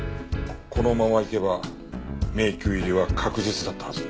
このままいけば迷宮入りは確実だったはず。